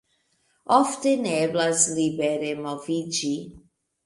Ofte ne eblas libere moviĝi.